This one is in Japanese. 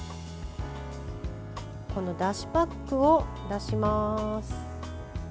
だしパックを出します。